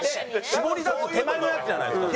絞り出す手前のやつじゃないですかそれ。